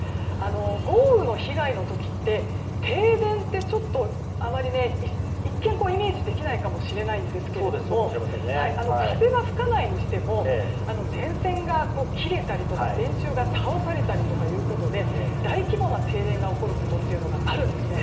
豪雨の被害の時って、停電って一見イメージできないかもしれないんですけど風は吹かないにしても電線が切れたりとか電柱が倒されたりとかいうことで大規模な停電が起こることがあるんですね。